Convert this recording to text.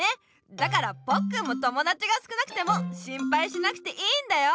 だからポッくんも友だちが少なくても心配しなくていいんだよ！